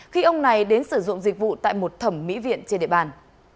khi ông này đến sử dụng dịch vụ tại một thẩm mỹ viện trên địa bàn